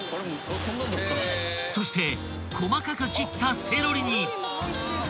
［そして細かく切ったセロリに］